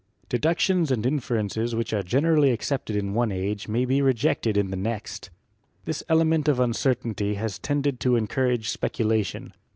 Deductions and inferences which are gener ally accepted in one age may be rejected in the next. This element of uncertainty has tended to encourage specula tion.